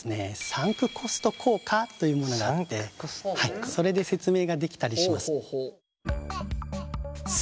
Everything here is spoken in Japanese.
サンクコスト効果というものがあってそれで説明ができたりします。